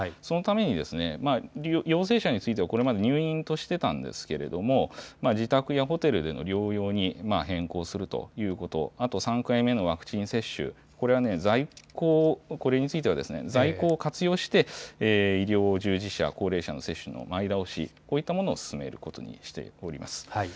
そのために、陽性者については、これまで入院としてたんですけれども、自宅やホテルでの療養に変更するということ、あと３回目のワクチン接種、これは在庫、これについては在庫を活用して、医療従事者、高齢者の接種の前倒し、こういったものを進めることにしております。